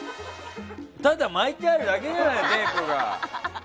ただ巻いてあるだけじゃないテープが。